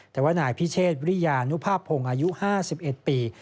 แต่ว่านายพิเชษวิริยานุภาพพงศ์อายุ๕๑ปี